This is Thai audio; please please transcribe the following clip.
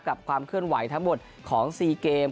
ความเคลื่อนไหวทั้งหมดของ๔เกม